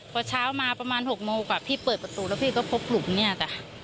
พอเช้ามาประมาณ๖โมงกว่าพี่เปิดประตูแล้วพี่ก็พบหลุมเนี่ยจ้ะ